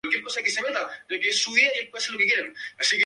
Tiene dos hijos, Whitney y Clayton.